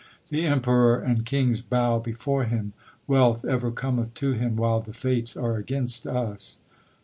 The Emperor and kings bow before him. Wealth ever cometh to him while the fates are against us.